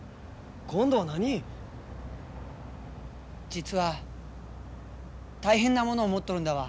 実は大変なものを持っとるんだわ。